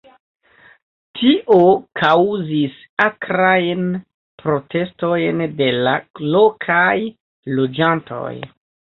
Tio kaŭzis akrajn protestojn de la lokaj loĝantoj.